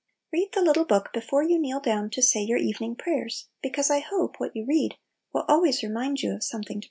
Bead the little book before you kneel down to say your evening prayers, be cause I hope what you read will always IO Little Pillows.